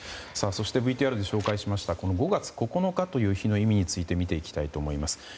そして、ＶＴＲで紹介した５月９日という日の意味について見ていきたいと思います。